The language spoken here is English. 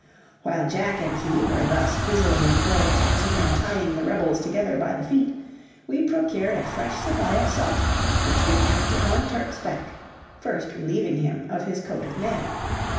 While Jack and he were thus busily employed catching and tying the rebels together by the feet, we procured a fresh supply of salt, which we packed upon Turk's back, first relieving him of his coat of mail.